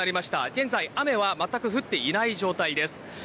現在、雨は全く降っていない状態です。